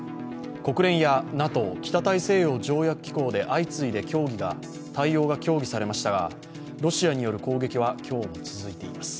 国連やＮＡＴＯ＝北大西洋条約機構で相次いで対応が協議されましたがロシアによる攻撃は今日も続いています。